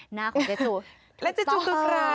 หน้าของเจ๊จูถูกต้อง